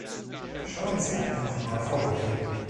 Schauen Sie einfach mal vorbei!